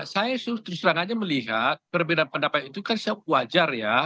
saya terus terang aja melihat perbedaan pendapat itu kan wajar ya